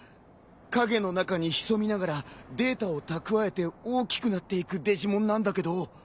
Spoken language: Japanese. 影の中に潜みながらデータを蓄えて大きくなっていくデジモンなんだけど。